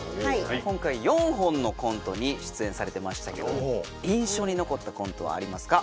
今回４本のコントに出演されてましたけど印象に残ったコントはありますか？